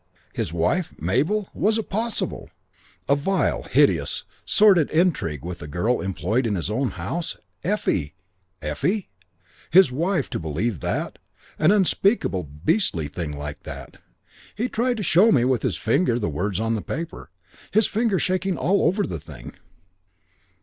His wife? Mabel? Was it possible? A vile, hideous, sordid intrigue with a girl employed in his own house? Effie! His wife to believe that? An unspeakable, beastly thing like that? He tried to show me with his finger the words on the paper. His finger shaking all over the thing.